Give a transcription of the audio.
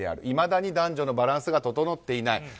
いまだに男女のバランスが整っていない。